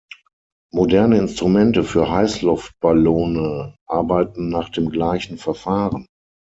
Moderne Instrumente für Heißluftballone arbeiten nach dem gleichen Verfahren.